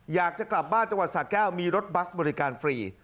อยากจะกลับบ้านจังหวัดสาแก้วมีรถบัสบริการฟรี